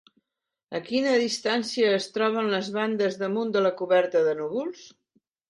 A quina distància es troben les bandes damunt de la coberta de núvols?